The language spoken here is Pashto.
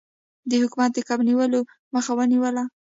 حکومت د کب نیولو مخه ونیوله.